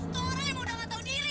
tante emang udah gak tau diri